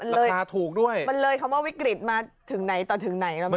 ราคาถูกด้วยมันเลยคำว่าวิกฤตมาถึงไหนต่อถึงไหนแล้วแม่